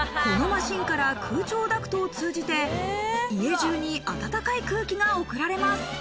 このマシンから空調ダクトを通じて家中に暖かい空気が送られます。